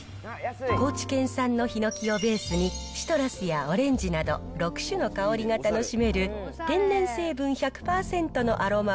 高知県産のヒノキをベースに、シトラスやオレンジなど６種の香りが楽しめる、天然成分１００％